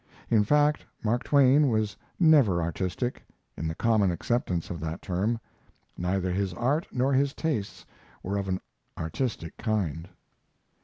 In fact, Mark Twain was never artistic, in the common acceptance of that term; neither his art nor his tastes were of an "artistic" kind.